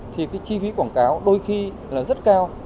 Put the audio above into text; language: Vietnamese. thì cái chi phí quảng cáo đôi khi là rất cao